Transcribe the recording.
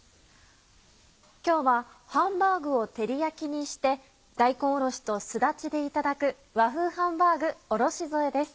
今日はハンバーグを照り焼きにして大根おろしとすだちでいただく「和風ハンバーグおろし添え」です。